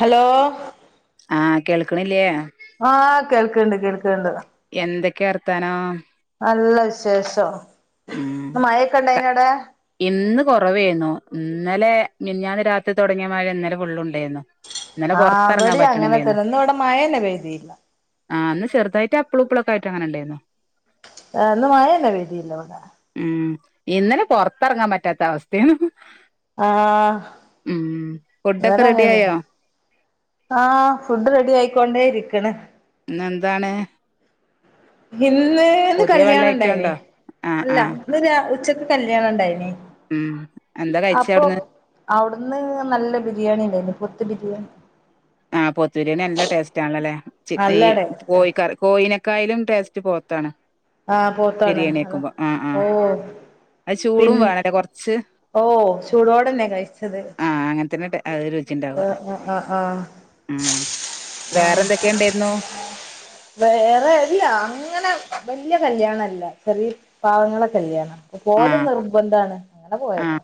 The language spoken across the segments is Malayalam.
ഹലോ ആഹ് കേൾക്കണില്ലേ ആഹ് കേൾക്കണുണ്ട്, കേൾക്കണുണ്ട്. എന്തൊക്കെയാ വർത്താനോം നല്ല വിശേഷം ഉം ഇന്ന് മഴയൊക്കെ ക ഇണ്ടായിനോ അവിടെ ഇന്നു കുറവായിരുന്നു, ഇന്നലെ മിനിഞ്ഞാന്നു രാത്രിയിൽ തൊടങ്ങിയ മഴ ഇന്നലെ ഫുളളുണ്ടായിരുന്നു. ആഹ്.. അവിടെയങ്ങനെ ഇന്ന് ഇവിടെ മഴയൊന്നും പെയ്തി ആഹ് ഇന്നു ചെറുതായിട്ടപ്പിളിപ്പ ളൊക്കെയായിട്ടങ്ങനെ ഉണ്ടായിരുന്നു. [inaudible] ഉം.. ഇന്നലെ പുറത്തിറങ്ങാൻ പറ്റാത്തയവസ്ഥയാ ആഹ്‌.. ഫുഡൊക്കെ ഇതുവരെയങ്ങനെ റെഡിയായോ ആഹ് ഫുഡ്റെഡിയായിക്കൊണ്ടേ ഇരിക്കണ് പിന്നെന്താണ് പുതിയ വല്ല ഐറ്റം ഇന്നേന്ന്കല്യാണമുണ്ടായിരുന്നേ, ഉണ്ടോ ആഹ് അല്ല ആഹ് ഇന്നു രാ ഉച്ചക്കുകല്യാണമുണ്ടായിരുന്നു ഉം എന്താ കഴിച്ച് അവിടുന്ന്. അവിടുന്ന് നല്ല ബിരിയാണി ഇണ്ടായിരുന്നു പോത്ത് ബിരിയാണി. ആഹ് പോത്ത് ബിരിയാണി നല്ല ടേസ്റ്റ് ആണല്ലോല്ലേ ച്ച് ഈ നല്ല ടേസ്റ്റാ കോഴിക്കറി കോഴിനൊ കയ്യിലും ടേസ്റ്റ് പോത്താണ്. ആഹ് പോത്താണ് ബിരിയാണി അത വെക്കുമ്പോ ആഹ് ഓ. ആഹ് അത് പിൻ ചൂടും വേണല്ലേ കൊറച്ച് ഓ ചൂടോടന്നെ കഴിച്ചത്. ആ അങ്ങനെ തന്നെ അത് രുചിച്ചിണ്ടാവ. ആഹ് ആഹ് ആഹ്. ഉം വേറെ എന്തൊക്കെയുണ്ടായിരുന്നു. വേറെ ഇല്ല അങ്ങനെ വലിയ കല്ല്യാണല്ല ചെറിയ പാവങ്ങളെ കല്യാണാ ആ പോവാല് നിർബന്ധണ് അങ്ങനെ പോയതാ.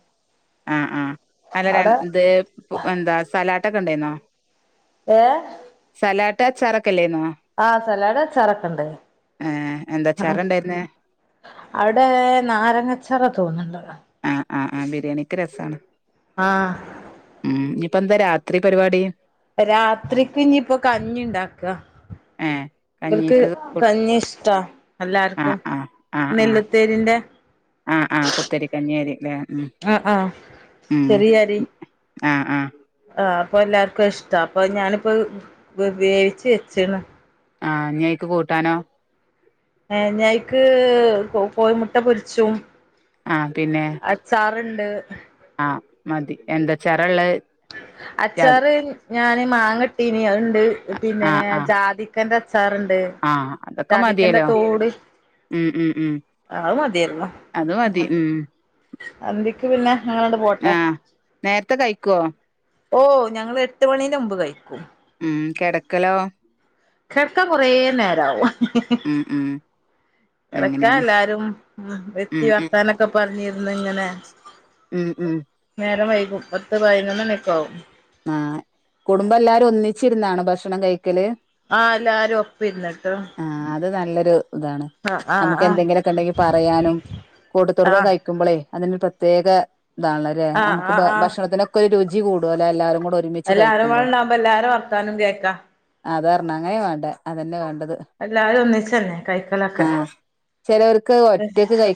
ആഹ് ആഹ് അല്ല അവിടെ രണ്ട് എന്താ സലാട്ട്ഒക്കെ ഉണ്ടായിന്നോ? ഏഹ് സലാട്ട് ആച്ചാർ ഒക്കെ ഇല്ലേയ്ന്നോ? ആഹ് സലാഡ് അച്ചാർ ഒക്കെ ഉണ്ടായിരുന്നു. എന്താ അച്ചാറ് ഉണ്ടായിരുന്നേ അവിടെ നാരങ്ങച്ചാറ് ഒക്കെ വന്ന്ട്ടല്ലോ. ആഹ ആഹ് ആഹ് ബിരിയാണിക്ക് രസാണ്. ആഹ്. ഉം ഇനിപ്പ എന്താ രാത്രി പരിപാടി. രാത്രിക്ക് ഇനിയിപ്പൊ കഞ്ഞിണ്ടാക. ഏ ഇവർക്ക് കഞ്ഞിക്ക് കഞ്ഞി ഇഷ്ടാ ആ എല്ലാവർക്കും ആ നെല്ല തേരിന്റെ. ആഹ് ആഹ് കുത്തരികഞ്ഞിആരിക്കു അല്ലേ ഉം ആഹ് ആഹ് ഉം ചെറിയ അരി ആഹ് ആഹ്. ആഹ് അപ്പൊ എല്ലാർക്കും അത് ഇഷ്ട അപ്പൊ ഞാനിപ്പോ വേവിച്ച് വെച്ച്ക്ക്ണ്. ആഹ് ഇനി അതിയ്ക്ക് കൂട്ടാനോ? ഞ്ഞേയ്ക്ക് കോഴിമുട്ട പൊരിച്ചും. ആഹ് പിന്നെ. അച്ചാറുണ്ട്. ആഹ് മതി എന്ത്‌ അച്ചാർ ഇള്ളത്. അച്ചാറ് ഞാന് മാങ്ങട്ടീനി അതുണ്ട് പിന്നെ ആ ആ ജാതി ക്കന്റെ അച്ചാറ്ണ്ട് ആഹ് അതൊക്കെ ജാധിക്കന്റെ മതിയല്ലോ തോട്. ഉം ഉം ഉം ആഹ് മതിയായിരുന്നു. അത് മതി ഉം അന്തിക്ക് പിന്നെ അങ്ങനോണ്ട് പോട്ടെ. ആഹ് നേരത്തെ കഴിക്കോ? ഓ ഞങ്ങൾ എട്ട് മണിന് മുമ്പ് കഴിക്കും. ഉം കിടക്കലോ. കെട്ക്കാൻ കൊറെ നേരാവും. ഉം ഉം. കിടക്കാൻ അങ്ങനെയാണ് എല്ലാരും വെത്തി ഉം ഉം വർത്താനൊക്കെ പറഞ്ഞിരുന്നു ഇങ്ങനെ. ഉം ഉം. നേരം വൈകും പത്ത് പതിന്നോന്ന്ണി ഒക്കെ ആവും. ആഹ് കുടുംബം എല്ലാരും ഒന്നിച്ചിരുന്നാണോ ഭക്ഷണം കഴിക്കല്. ആഹ് എല്ലരും ഒപ്പം ഇരുന്നിട്ട്. ആഹ് അത് നല്ലൊരു. ഇതാണ് ആഹ് നമുക്ക് ആഹ് എന്തെങ്കിലുമൊക്കെ ഉണ്ടെങ്കിൽ പറയാനും കൂട്ടത്തോട്ട്ക്ക ആഹ് കഴിക്കുമ്പളേയ് അത് ഒരു പ്രത്യേക ഇതാണല്ലല്ലേ? ആഹ് നമുക്ക് ആഹ് ആഹ് ഭക്ഷണത്തിനൊക്കെ ഒരു രുചി കൂടും അല്ലോ? എല്ലാരും കൂടെ ഒരുമിച്ച് കഴിക്കുമ്പോ എല്ലാരുംപട്ണ്ടാവുമ്പോ എല്ലാര വർത്താനും കേൾക്കാം. അതാർണ് അങ്ങനെയെ വേണ്ടേ അതന്നെ വേണ്ടത്. എല്ലാരും ഒന്നിച്ചന്നെ കൈക്കലൊക്കെ. ആഹ്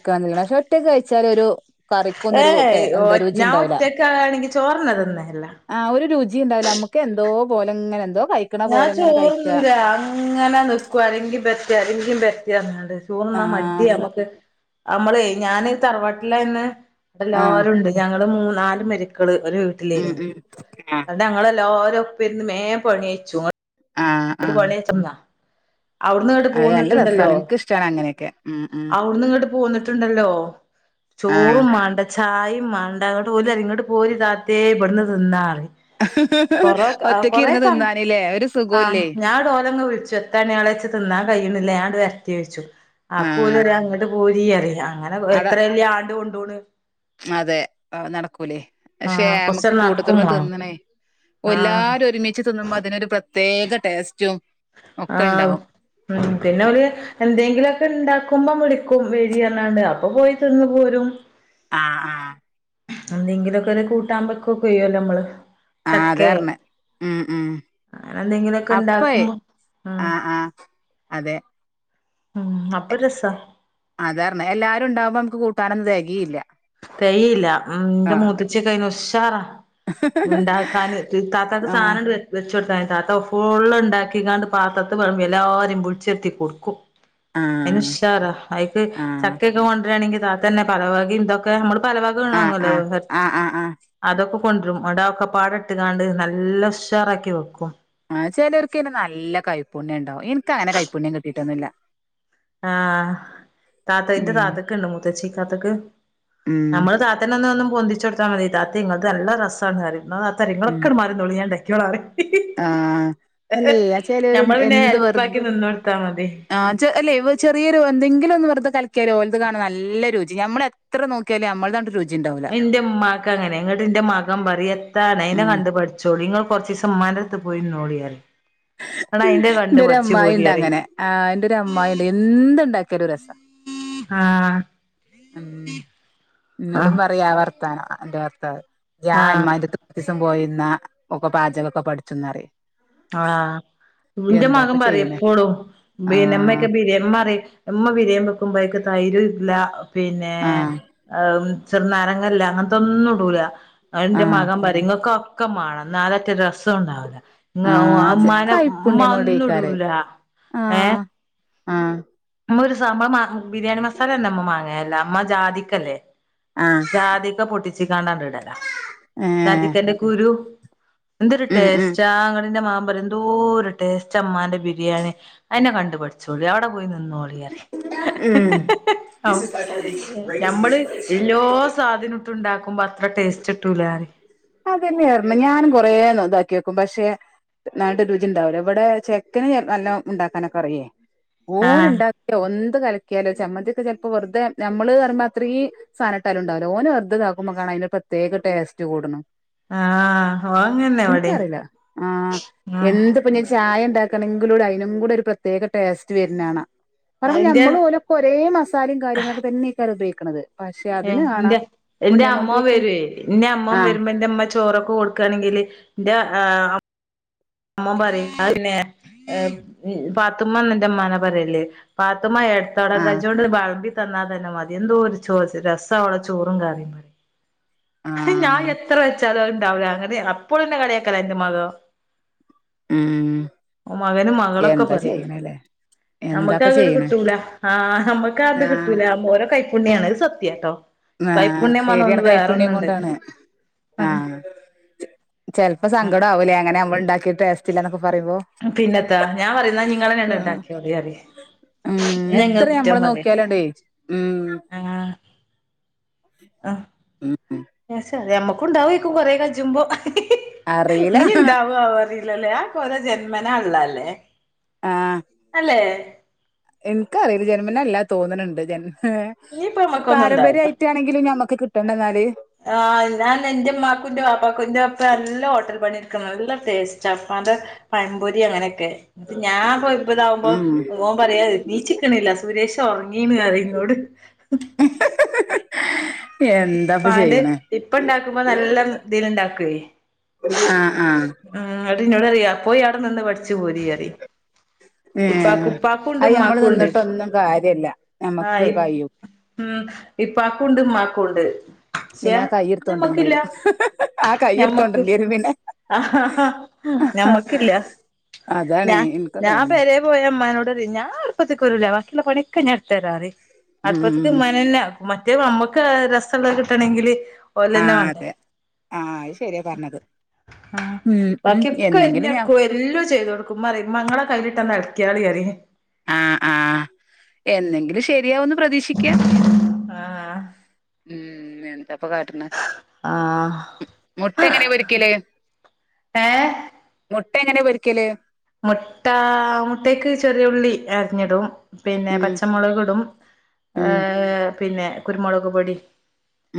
കന്ന് പഷെ ഒറ്റക്ക് കഴിച്ചാല് ഒരു കറിക്കുന്നൊരു ടേ എന്താ രുചിണ്ടാവുലാ. കയാണെങ്കിൽ ചോർന്നതിന്നേല്ല. ആഹ് ഒരു രുചീണ്ടാവില്ല നമക്ക് എന്തോ പോലെങ്ങനെ എന്തോ കയ്- ഞാൻ ചോറ്ന്നൂലാ. ങ്ങനേ നിക്കൂ ആരേങ്കിലും വര്റ്റെ ആരെങ്കി വര്റ്റേ ന്ന് പർഞ്ഞ്ങ്ങാണ്ട്. ചോർന്നാ ആഹ് സ മട്യമ്മ്ക്ക്. നമ്മളേ ഞാന് തറവാട്ടിലായന്ന് ആഹ് എല്ലാരുണ്ട് ഞങ്ങള് മൂന്നാല് മരി- കള് ഒരു വീട്ടിലേന് ഉം ഉം ഇന്നിട്ട് ഞങ്ങള്ല്ലാരും ഒപ്പം ഇരുന്ന് മേം പണി കഴിച്ചും. ആഹ് ആഹ് ഇങ്ങക്ക് ആഹ് പണി ച്ചന്നാ. അവ്ട്ന്നിങ്ങട്ട് അത് നല്ല പോന്നിട്ടുണ്ടല്ലോ? രസാണ് എനിക്കിഷ്ടാണ് അങ്ങനെയൊക്കെ ഉം ഉം അവ്ട്ന്ന് ഇങ്ങ്ട്ട് പോന്നിട്ട് ണ്ടല്ലോ ആഹ് ചോറും മാണ്ട- ചായേം മാണ്ട ന്ന്ട്ട്ഓല്റിം ങ്ങട്ട് പോര് താത്തേ ഇവ്ട്ന്ന് തിന്നാറിം. ഹ് ഹ് ഹ് കൊറേ ഒറ്റക്ക് കൊറേ ഇര്ന്ന് ക തിന്നാനിലേ ഒരു സ്- ആഹ് ഞാവ്ടെ ഓലങ് വിളിച്ചു എത്താണിയാളെച്ച് തിന്നാൻ കയ്യ്യിണില്ല ഞാങ്ങ്ട് വര്ട്ടേയ്ച്ചു. ആഹ് ആപ്പോലറിയാ ങ്ങ്ട്ട് പോരീയറി ംഅങ്ങന എത്ര വല്ല്യാണ്ട് കൊണ്ടോണ്. അതേ നടക്കൂലേയ് പക്ഷെ ആഹ് മ്മ്ക്ക് കൊറച്ചണ്ട് നടക്കും കൂട്ടത്ത്മ്മെ മാണം തിന്നണേ ആഹ് എല്ലാരും ഒരുമിച് ച്ച് തിന്നുമ്പോ അതിനൊരു പ്രത്യേക ടേസ്റ്റും. ഒക്കെ ആഹ് ഉണ്ടാവും ന്ന് ഉും പിന്നോല് എന്തേങ്കിലൊക്കെ ണ്ടാക്കുമ്പോ വിളിക്കും വെരീ പർഞ്ഞാണ്ട്. അപ്പൊ പോയി തിന്ന് പോരും ആഹ എന്തെങ്കിലൊക്കൊര് കൂട്ടാം വെക്കോക്കെയ്യല്ലോ മ്മള് ആഹ് ചക്കേ അതാർഞ്ഞെ ഉം ഉം അങ്ങനെ എന്തെങ്കിലൊക്കെ അപ്പേ ണ്ടാക്കുമ്പോ മ്ഹ്. ആഹ് ആഹ് അതെ അപ്പൊ രസാ അതാർഞ്ഞെ എല്ലാരും ണ്ടാവ്മ്പോ മ്ക്ക് കൂട്ടാനൊന്നും തെകേയ്ല്ലാ. തെകേയ്ല്ല മ്ഹ് ന്റെ മൂത്തച്ചീക്കെയ്ന് ഉശാറാ. ണ്ടാക്കാന് താത്താക്ക് ആഹ് സാനണ്ട് വെച്- വെച്ചൊട്ക്കാന് താത്ത ഫുള്ള്ണ്ടാക്കിയാണ്ട് പാത്രത്ത് വെള്മ്പി എല്ലാരേം ബൂള്ച്ചര്ത്തി കൊടുക്കും. അയ്ന് ആഹ് ഉഷാറാ, അയ്ക്ക് ആഹ് ചക്കക്കെ കൊണ്ട്രാണെങ്കി താത്തന്നെ പലവകേം ന്തൊക്കെ നമ്മള് പലവക്- ആഹ് ആഹ് [unintelligible] ആഹ് ആഹ് ആഹ് അതൊക്കെ കൊന്ദ്രും അവ്ക്കപാടെ ഇട്ട് കാണ്ട് നല്ല ഉശ്ശറാക്കി വെക്കും. ആ ചിലർക്കയ്ന്നെ നല്ല കൈപ്പുണ്യ ണ്ടാവും. ഇൻക്കങ്ങനെ കൈപ്പുണ്യം കിട്ടീട്ടൊന്നുല്ല ആഹ് താത്ത ഉം ന്റെതാത്തക്ക്ണ്ട് മുത്തച്ചീതാത്തക്ക് ഉം നമ്മള് താത്- ത്തനെന്ന് പൊന്തിച്ചൊട്ത്താ മതി താത്തെയ് നിങ്ങൾത് നല്ല രസാണ്. ന്നാ താത്തറയും ഉം അങ്ങളൊക്കെ ട്മാർ റിനിന്നോളി ഞാണ്ടാക്കിയോളാറിം ആഹ് അല്ലേയ്യ് ഞമ്മള് ച്ചെലോര്ണ്ട് പിന്നെ എന്ത് വെർതെ ഹെൽപ്പാക്കി നിന്നൊടുത്താ മതി ആചെ അല്ലേ? ചെറിയൊരു ന്തെങ്കിലും ഒന്ന് വെറുതെ കലക്കിയാലോൽത് കാണാ നല്ല രുചി നമ്മള് എത്ര നോക്കിയാലും നമ്മ്ള്ളതാണ്ട് രുചി ഉണ്ടാവൂല എന്റെ ഉമ്മാക്കങ്ങനെ ങ്ങ്ട്ട് ന്റെ മകം പറീം എത്താണ് അയ്നെ ഉം കണ്ട്പട്ച്- ച്ചോളി ങ്ങള് കൊർച്ചീസം മ്മാന്റട്ത്ത് പോയി ന്ന്നോളീ റയും ങ്ള് അയ്ന്റ കണ്ട് എന്റെ ഒരു പഠിച്ചു പോരീ അമ്മായിണ്ട് പറയും. അങ്ങനെ ആ ഇന്റെരു അമ്മായിണ്ട് എന്ത്ണ്ടാക്കിയാലും രസാ. ആഹ് ന്നോടും ആഹ് പർയും ആ വർത്താനം. ന്റെ ഭർത്തവ് ഞാ ആഹ് മ്മാന്റത്ത്. ച്ചീസം പോയ്ന്നാ ഒക്ക പാചകോക്കെ പഠിച്ചോന്നറയും. ആഹ് ന്റെ എന്താപ്പ മകം പറേം ചെയ്യണേ എപ്പളും ബീനമ്മക്കെ ആ ബിരാം മ്മറേം മ്മ ബിരാം വെക്കുമ്പോക് തൈരുല്ല്യാ പിന്നേ ആ ചെർനാരങ്ങല്ലാ അങ്ങൻത്തോന്നുടൂലാ ആ അന്റെ മകം പറേം നിങ്ങക്കൊക്- ക്കെമാണം ന്നാ ലെറ്റ രസോണ്ടാവുലാ. ആഹ് അത് കൈപ്പുണ്യ കൊണ്ടായ്ക്കാരേ ഇടൂല ആഹ് അഹ് മ്മൊരു [unintelligible] ബിരിയാണി മസാലന്നെ മ്മ മാങ്ങല്ലാ മ്മ ജാതിക്കല്ലേ? ആഹ് ജാതിക്ക പൊട്ടിച്ചു കണ്ടാണ്ട് ഇടല ഏ ജാതിക്കന്റെ കുരു എന്തിരുട്ടെ ഉം സ് ഉം ചാങ്കടിന്റെ മാ പറ എന്തൂര ടേസ്റ്റ് അമ്മാന്റെ ബിരിയാണി അതിനെ കണ്ടുപഠിച്ചോളി അവിടെ നിനോളി പറയും ഉം [unintelligible] നമ്മള് ഏറ്റോ സ്വാധന ഇട്ടുണ്ടാക്കുമ്പോ അത്ര ടേസ്റ്റ് ഇിട്ടൂല ആറി അതല്ലേ ർമ്മ ഞാനൻ കൊറെ ഇതാക്കി വെക്കും പക്ഷെ നാട്ട് രുചി ഉണ്ടാവലോ ഇവിടെ ചെക്കന് നല്ല ഉണ്ടാക്കാനൊക്കെ അറിയേ ഓല ആഹ് ഉണ്ട ഓ ന്ത്‌ കലക്കിയാലോ ചമ്മന്തിയൊക്കെ ചെൽപ്പോ വെർതെ നമ്മളർമ്പോ അത്രേ സാനട്ടാലുണ്ടാവില ഓനെർതാക്കുമ്പോ കാണ അയ്ന് പ്രത്യേക ടേസ്റ്റ് കൂട്ണ്. ആഹ് ഓൻ അങ്ങനെന്നെ ഇവിടേം നനക്കറിയില്ല ആ്ഹ് ആഹ് എന്പ്പ ഞൻ ചായ ഉണ്ടാക്ക ണമെങ്കിലൂടെ അതിനും കൂടെ ഒരു പ്രത്യേക ടേസ്റ്റ് വരുന്നതാണ് പറ അയിന്റെ നമ്മൾ ഓല കുറേ മസാലയും കാര്യങ്ങളൊക്കെ തന്നെയക്കാ ഉപയോഗിക്കുന്നത് പക്ഷെ അതിന് ആണ പുണ്യം കൊണ്ട് വേന്റെ അമ്മ വരുമ്പോ എ അമ്മ ചോറൊക്കെ കൊടുക്കുകണെങ്കില് അമ്മ പറ പിന്നെ പാത്തുമ്മ എന്റെ അ്മാനെ പറയല്ലേ പാത്തുമ്മ എ തട ആഹ് കച്ചോണ്ട് വളമ്പി തന്നാൽ തന്നെ മതി എന്തോ ഒരു ചോറ് രസ അവുള്ള ചോറും കറിയും മ ഞാൻ ആഹ് എത്ര വെച്ചാലോ ഉണ്ടാവില്ല അങ്ങനെ അപ്പോഴുംന്നെ കളയാക്കല എൻന്റെ മതോ ഉം മകനും മകളൊക്കെ എന്താ പറയും ചെയ്യണല്ലേ നമ്മുക്ക് എന്താപ്പ അകട് ചെയ്യണേ കിട്ടൂല ആ്ഹ് നമ്മുക്ക് അത് ആഹ് കിട്ടൂല ഓരോ കഴ കുയ്‌പുണ്യയണത് സത്യട്ടോ ആഹ് ശരിയാണ് കൈപ്പുണ്യം കൊണ്ടാണ് ആഹ് ചെപ്പോപ്പ സങ്കടം ആവൂല്ലേ അങ്ങനെ നമ്മള് ഉണ്ടാക്കിട്ട ടേസ്റ്റില്ല എന്നൊക്കെ പറയ്പോ പിന്നെത്താ ഞാൻ പറയുന്ന നിങ്ങളെന്നണ്ടണ്ടാക്കിയോ പറയും ഉം ഇന്നെ എത്ര ഇങ്ങള് കുറ്റം നമ്മള് പറയും നോക്കിയാലോണ്ടേ ഉം ആഹ് ഉം മ്മക്കുണ്ടാവക്കും കൊറെ കഴചുമ്പോ അറിയില്ല ഇനി ഇണ്ടാവു അറില്ലല്ലേ ആത് കുറ ജന്മന ഉള്ളല്ലേ ആഹ് അല്ലേ എനിക്കറിയില്ല ജന്മിനല്ലാ തോന്നുന്നുണ്ട് ജന്മ ഇനിയിപ്പോ പക്ഷെ നമ്മക്കൊന്നും ഉണ്ടാവൂല പാരമ്പര്യമായിട്ടാണെങ്കിലും ഞമ്മക്ക് കി പണ്ട നാല് ആഹ് ഞാൻ എൻന്റെമ്മാക്കു്റെ പാപ്പാക്കുന്റെറെ അപ്പ നല്ല ഹോട്ടൽ പണിരിക്കണം നല്ല ടേസ്റ്റ് അത് പഴംപൊരി അങ്ങനെയൊക്കെ ഇ് ഞാൻപ്പോ ഇപ്പതാവുമ്പോ ഉം ഓൻ പറയാ നീച്ചിക്കണില്ല സുരേഷ് ഉറങ്ങീണന്ന് ഇങ്ങോട് [unintelligible] ഇപൻ്റ് ചെയ്യണേ ഇപ്പ ഇണ്ടാക്കുമ്പോ നല്ല ഇതിൽ ഇണ്ടാക്കുവേ ആഹ് ആഹ് ഉം എന്നിട്ട് ഇന്നോട് അറിയ പോയി അവിടെ നിന്ന് പഠിച്ചു പോരിറി ഇപ്പ കു ഏഹ് ഉപ്പാക്കുംണ്ട് അത് നമ്മള് ഉ്മാക്കുംണ്ട് നിന്നിട്ടൊന്നും കാര്യല്ല ഞമ്മക്ക് ആഹ് കഴിയും ഉം ഇപ്പ ആക്കണ്ട് ഉമാക്കൊണ്ട് പിന്നെ ആഹ് കയയിർത്തോണ്ടിണ്ടി വരും ആഹ് ഞമ്മക്ക് കയയിർത്തോണ്ടിണ്ടരും പിന്നെ [unintelligible] ഞമ്മക്കില്ല ഞ അതാണേ എനിക്കും ഞാ അതന്നെ പേരെന്ന് പോയാ മനോട ഞാൻ അടുപ്പത്തേക്ക് വരൂല ബാക്കിയുള്ള പണൊക്കെ ഞാടു തരാറ അടുപ്പത്തേക്ക് ഉം മനല്ല മറ്റേ നമ്മുക്ക് രസമുള്ള കിട്ടണെങ്കില് ആ ഓലെന്നെ വാണ്ടേ അതെ ആഹ അത് ശരിയാ പറഞ്ഞത് ആ ഉം ഉം ബാക്കി ഒക്കെ അരിഞ് എന്നെങ്കിലും ഞാൻ എടുക്ക എല്ലോ ചെയ്തതു കൊടുക്കും അ മങ്ങള കയ്യിലിട്ടന്നന്ന് ഇളക്കാളിയയി ആഹ ആഹ എന്നെങ്കിലും ശരിയാവന്ന് പ്രതീക്ഷിക്കാം ആഹ് ഉം എ തപ്പ കാട്ടണ് മുട്ട ആഹ് എങ്ങനെ പൊരിക്കല് ഏഹ് മുട്ട എങ്ങനെ പൊരിക്കല് മുട്ടാ മുട്ടക്ക് ചെറിയ ഉള്ളി അരിഞ്ഞിടും പിന്നെ ഉം പച്ചമുളക്ടും ഏ ഉം പിന്നെ കുരുമുളക് പൊടി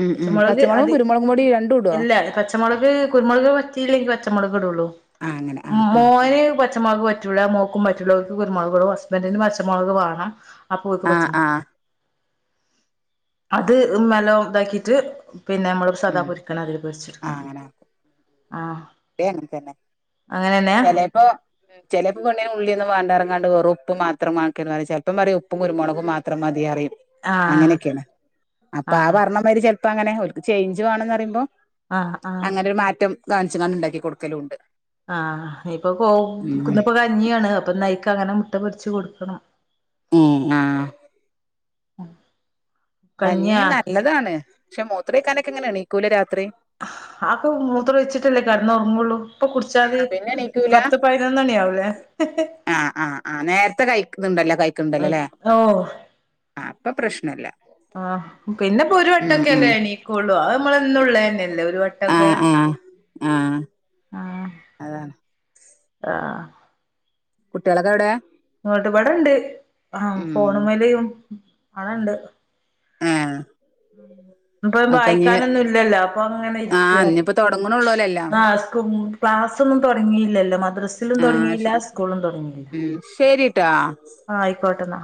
ഉം ഉം പച്ചമുളക് പച്ചമുളകും അതി കുരുമുളകും പൊടി രണ്ടും ഇടുവോ എല്ലാ പച്ച പച്ചമളക് കുരുമുളക് പറ്റില്ലെ പച്ചമുളക് ഇടള്ളൂ ആഹ് അങ്ങനെ ആഹ് ആഹ് മോൻ പ പച്ച മൊളക് പറ്റുള്ള മോൾക്കും പറ്റുല്ല ഓൽക്ക് കുരുമൊളകൊള്ളു ഹസ്ബൻഡറിന് മച്ചമൊളക് വാണം ആപോൽക്ക് ആഹ് പച്ചമുളക് ആഹ് അത് അങ്ങനെ നല്ലോ ഇതാക്കിറ്റ്‌ പിന്നെ നമ്മള സദാ ഉം പൊരിക്കണം അതിൽ ഉപയരിച്ചെട്ക്കും ആഹ് അങ്ങനെ ആക്കും ആഹ് ഇവിടേം അങ്ങനെ തന്നെ അങ്ങനെന്നെ ചിലപ്പോ ചിലപ്പോ പെണ്ണിന് ഉള്ളിയൊന്നും വാണ്ടപറഞ്ഞാണ്ട് വെറും ഉപ്പ് മാത്രം ആക്കര് ചിലപ്പ പറേം ഉപ്പും കുരുമുളക്കും മാത്രം മതിറിയും ആഹ് അങ്ങനൊക്കെണ് അപ്പ ആ ആഹ് പർണ മരി ചിലപ്പോ അങ്ങനെ ഓൽക്ക് ചേഞ്ച്‌വാണന്ന് പറയുമ്പോ ആഹ് ആഹ് അങ്ങനൊരു മാറ്റം കാണിച്ച് കാണ്ട് ഇണ്ടാക്കി കൊടുക്കലൂണ്ട് ആ ഇപ്പൊ പോവും ഇന്നിപ്പോ കഞ്യാണ് അപ്പൊ നൈക്കങ്ങനെ മുട്ട പൊരിച്ച് കൊട്ക്കണം മ് ആ [unintelligible] കഞ്ഞിയാ കഞ്ഞിമ് നല്ലതാണ് പഷെ മൂത്രക്കാനൊക്കെ ങ്ങനെ എണീക്കൂലെ രാത്രി ആക്കൊ മൂത്രൊയിച്ചട്ടല്ലേ കിടന്ന ഒർങ്ങൊള്ളൂ അപ്പൊ കുടിച്ചാല് ആഹ് പിന്നെ എണീക്കൂല പത്ത് പതിനൊന്നണിയാവേ ഹ് ഹ് ആ ആ ആ നേരത്തെ കഴിക്കുന്ന്ണ്ടല്ലോ കഴിക്ക്ണ്ടല്ലോ ല്ലേ ഓ ആ അപ്പൊ പ്രശ്നല്ല ആ പിന്നെപ്പോ ഒരു ഉം വട്ടൊക്കല്ലേ ഉം എണീക്കൊള്ളൂ അത് നമ്മളെന്നുള്ളന്നെയല്ലേ ഒരു വട്ടൊക്കെ ആഹ് ആഹ് ആഹ് ആ അതാണ് ആ കുട്ടിയാളൊക്കെ എവിടെ? ഇങ്ങോട്ട് ഇപടണ്ട് ആ ഉം ഫോണമല് അടെണ്ട് ഏഹ് ഇപ്പ ഒക്കെ ഇഞ്ഞ് വായിക്കാനൊന്നും ഇല്ലല്ലോ അപ്പൊ ങ്ങനെ ഇരിക്ക ആഹ് ഇഞ്ഞിപ്പോ തൊടങ്ങണള്ളൂല്ലോ എല്ലാം ആ സ്കൂ ക്ലാസ്സൊന്നും തുടങ്ങില്ലല്ലോ മദ്രസ് സ്ലും ആഹ് തുടങ്ങിയില്ല ശരി സ്കൂളും തുടങ്ങില്ല ഉം ശരിട്ടാ ആ ആയിക്കോട്ടെന്നാ